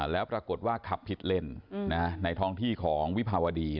แล้วปรากฏว่าขับผิดเลนในท้องที่ของวิภาวดี